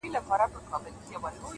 جوړ يمه گودر يم ماځيگر تر ملا تړلى يم،